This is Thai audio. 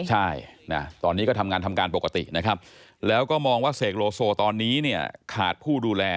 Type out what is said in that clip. ใช่ตอนนี้ก็ทำงานทำการปกตินะครับแล้วก็มองว่าเสกโลโซตอนนี้เนี่ยขาดผู้ดูแล